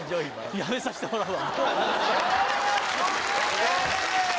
やめさせてもらうわ。